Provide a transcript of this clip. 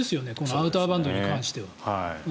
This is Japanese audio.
アウターバンドに関しては。